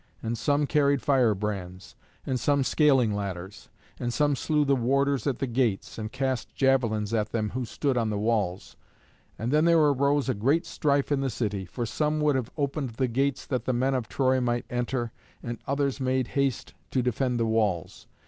And some carried firebrands, and some scaling ladders, and some slew the warders at the gates, and cast javelins at them who stood on the walls. And then there arose a great strife in the city, for some would have opened the gates that the men of Troy might enter, and others made haste to defend the walls.